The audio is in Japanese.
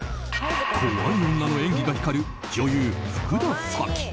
怖い女の演技が光る女優・福田沙紀。